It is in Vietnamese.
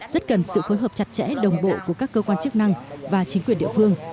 rất cần sự phối hợp chặt chẽ đồng bộ của các cơ quan chức năng và chính quyền địa phương